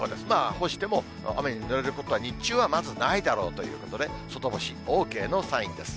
干しても雨にぬれることは、日中はまずないだろうということで、外干しＯＫのサインです。